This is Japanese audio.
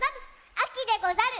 あきでござる！